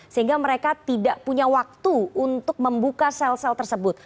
sehingga mereka tidak punya waktu untuk membuka sel sel tersebut